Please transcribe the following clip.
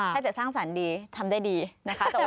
ถ้าจะสร้างสรรค์ดีทำได้ดีนะคะ